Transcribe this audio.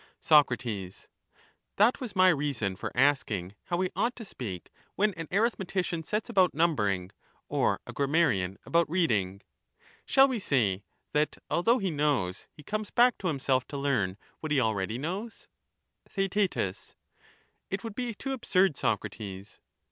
Soc, That was my reason for asking how we ought to speak when an arithmetician sets about numbering, or a grammarian about reading ? Shall we say, that although he knows, he comes back to himself to learn what he already knows ? Theaet, It would be too absurd, Socrates.